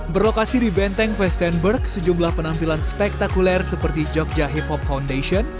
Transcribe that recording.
berlokasi di benteng vestanberg sejumlah penampilan spektakuler seperti jogja hip hop foundation